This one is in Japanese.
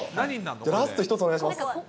ラスト１つお願いします。